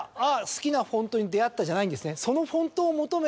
好きなフォントに出合ったじゃないんですね。